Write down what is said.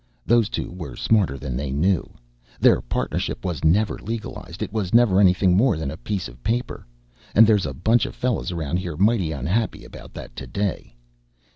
"Those two were smarter than they knew. Their partnership was never legalized, it was never anything more than a piece of paper. And there's a bunch of fellas around here mighty unhappy about that today.